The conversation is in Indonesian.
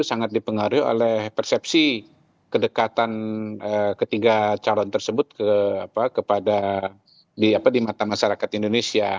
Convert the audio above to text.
sangat dipengaruhi oleh persepsi kedekatan ketiga calon tersebut di mata masyarakat indonesia